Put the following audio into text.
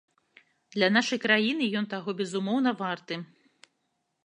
Для нашай краіны ён таго, безумоўна, варты.